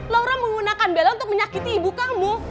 laura menggunakan bella untuk menyakiti ibu kamu